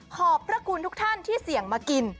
ขอบพระคุณทุกท่านที่เสี่ยงมากิน